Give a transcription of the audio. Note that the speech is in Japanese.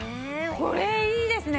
これいいですね！